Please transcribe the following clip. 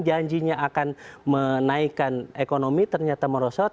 janjinya akan menaikkan ekonomi ternyata merosot